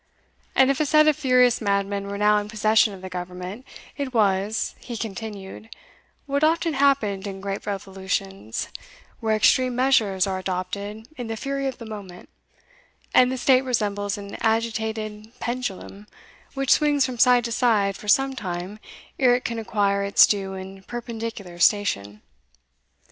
And if a set of furious madmen were now in possession of the government, it was," he continued, "what often happened in great revolutions, where extreme measures are adopted in the fury of the moment, and the State resembles an agitated pendulum which swings from side to side for some time ere it can acquire its due and perpendicular station.